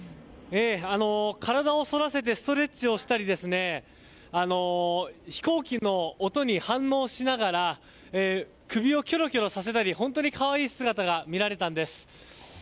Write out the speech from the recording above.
体を反らせてストレッチをしたり飛行機の音に反応しながら首をきょろきょろさせたり本当に可愛い姿が見られたんです。